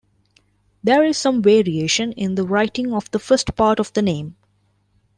There is some variation in the writing of the first part of the name.